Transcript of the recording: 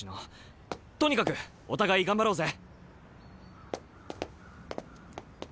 とにかくお互い頑張ろうぜ！